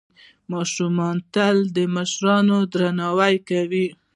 ماشومان تل د مشرانو درناوی کوي.